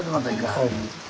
はい。